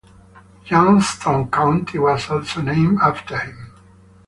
Johnston County was also named after him.